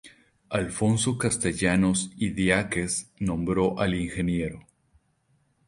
Alfonso Castellanos Idiáquez nombró al Ing.